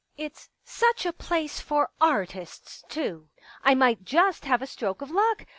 " It's such a place for artists too. I might just have a stroke of luck.